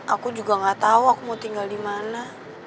aku juga gak tahu aku mau tinggal di mana